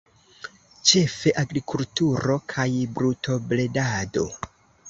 Ĉefe agrikulturo kaj brutobredado.